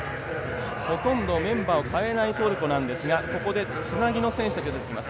ほとんどメンバーをかえないトルコなんですがここでつなぎの選手たちが出てきます。